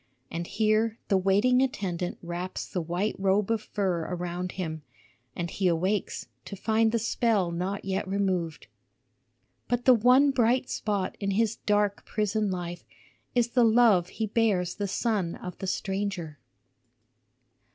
And here the waiting attendant wraps the white robe of fur around him; and he awakes to find the spell not yet removed. "But the one bright spot in his dark prison life is the love he bears the son of the stranger."